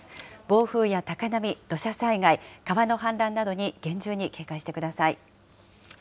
暴風や高波、土砂災害、川の氾濫などに厳重に警戒してください。